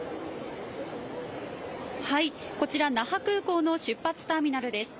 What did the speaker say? こちら那覇空港の出発ターミナルです。